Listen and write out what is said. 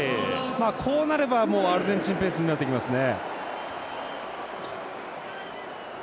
こうなればアルゼンチンペースになってきますね。